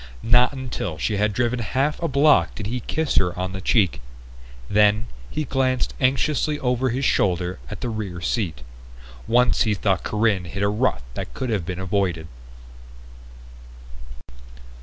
Not until she had driven half a block did he kiss her on the cheek. Then he glanced anxiously over his shoulder at the rear seat. Once he thought Corinne hit a rut that could have been avoided.